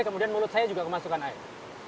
kemudian mulut saya juga kemasukan air